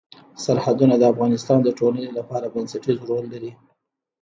سرحدونه د افغانستان د ټولنې لپاره بنسټيز رول لري.